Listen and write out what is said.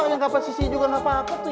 tapi yang kapan si siti juga gapapa tuh ya